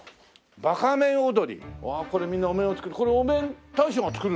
わあこれみんなお面をこれお面大将が作るの？